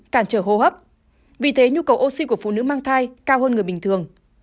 cản trở hô hấp vì thế nhu cầu oxy của phụ nữ mang thai cao hơn người bình thường